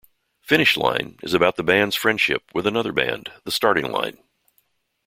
"Finish Line" is about the band's friendship with another band, The Starting Line.